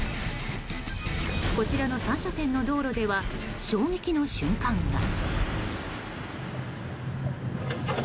こちらの３車線の道路では衝撃の瞬間が。